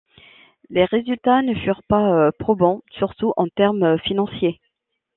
Les résultats ne furent pas probants, surtout en termes financier.